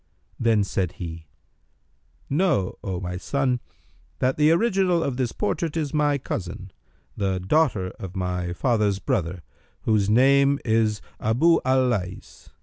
Then said he, "Know, O my son, that the original of this portrait is my cousin, the daughter of my father's brother, whose name is Abъ al Lays.